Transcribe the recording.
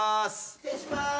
・失礼しまーす。